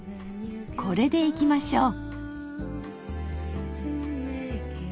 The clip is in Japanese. これでいきましょう。